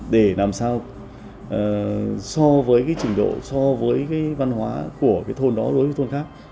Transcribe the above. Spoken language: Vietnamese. để làm sao so với cái trình độ so với cái văn hóa của cái thôn đó đối với thôn khác